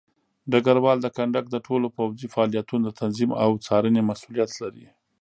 ډګروال د کندک د ټولو پوځي فعالیتونو د تنظیم او څارنې مسوولیت لري.